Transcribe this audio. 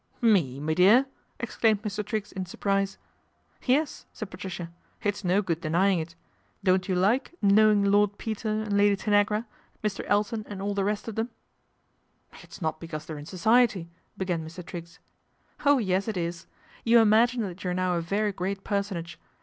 " Me, me dear !" exclaimed Mr. Triggs in sur prise. " Yes," said Patricia, " it's no good denying it Don't you like knowing Lord Peter and Ladj Tanagra, Mr. Elton and all the rest of them ?" MR. TRIGGS TAKES TEA 225 It's not because they're in Society/' began Ir. Triggs. " Oh, yes it is ! You imagine that you are now very great personage.